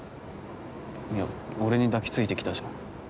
いや俺に抱きついてきたじゃん